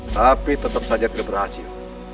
tapi tetap saja tidak berhasil